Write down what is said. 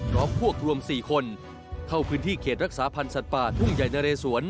พร้อมพวกรวม๔คนเข้าพื้นที่เขตรักษาพันธ์สัตว์ป่าทุ่งใหญ่นะเรสวน